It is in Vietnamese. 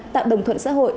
tạo đồng thuận xã hội